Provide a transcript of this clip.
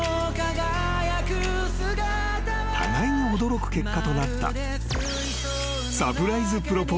［互いに驚く結果となった］